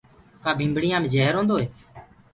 ڪآ ڀمڀڻيآنٚ مي جهر هوندو هي۔